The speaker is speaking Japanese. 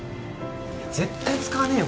絶対使わねえよ。